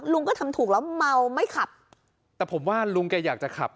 ลุงก็ทำถูกแล้วเมาไม่ขับแต่ผมว่าลุงแกอยากจะขับ